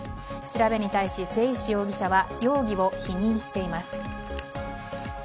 調べに対し、末石容疑者は容疑を否認しています。